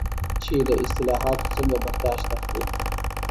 چې له اصطلاحاتو څنګه برداشت اخلي.